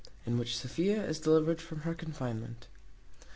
In which Sophia is delivered from her confinement.